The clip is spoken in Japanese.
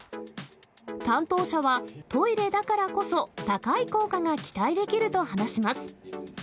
担当者は、トイレだからこそ高い効果が期待できると話します。